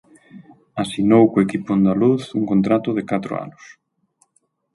Asinou co equipo andaluz un contrato de catro anos.